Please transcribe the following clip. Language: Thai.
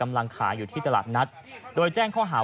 ไม่ต้องปล่อยให้รอ